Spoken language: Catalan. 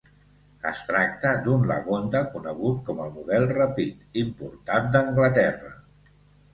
Es tracta d"un Lagonda, conegut com el model "Rapide", importat d"Anglaterra.